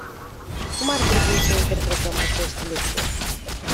Cum ar trebui să interpretăm acest lucru?